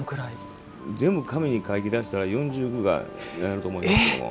全部紙に書き出したら４０くらいになると思いますけど。